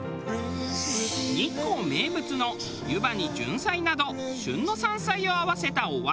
日光名物の湯波にジュンサイなど旬の山菜を合わせたお椀。